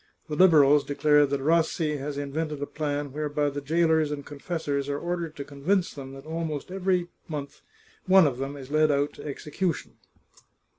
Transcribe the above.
The Liberals declare that Rassi has in vented a plan whereby the jailers and confessors are ordered to convince them that almost every month one of them is led out to execution.